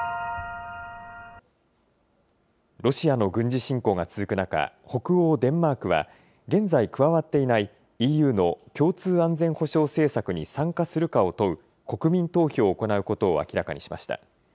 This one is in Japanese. ロシアの軍事侵攻が続く中、北欧デンマークは、現在加わっていないＥＵの共通安全保障政策に参加するかを問う、国民投票を行うことを明らかにしました。